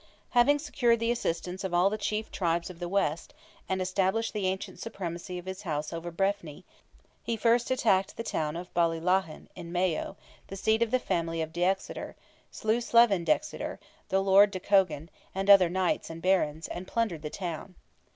Having secured the assistance of all the chief tribes of the west, and established the ancient supremacy of his house over Breffni, he first attacked the town of Ballylahen, in Mayo, the seat of the family of de Exeter, slew Slevin de Exeter, the lord de Cogan, and other knights and barons, and plundered the town.